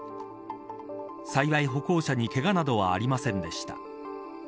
幸い、歩行者にけがなどはありませんでした。